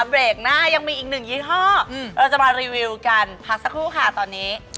เบรกหน้ายังมีอีกหนึ่งยี่ห้อเราจะมารีวิวกันพักสักครู่ค่ะตอนนี้